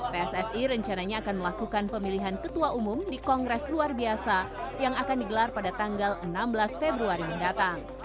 pssi rencananya akan melakukan pemilihan ketua umum di kongres luar biasa yang akan digelar pada tanggal enam belas februari mendatang